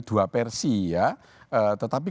dua versi ya tetapi